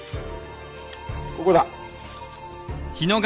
ここだ。